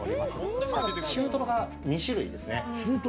こちら、中トロが２種類ですね。